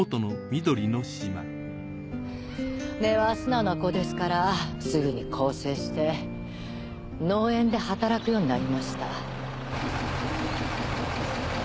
根は素直な子ですからすぐに更生して農園で働くようになりました。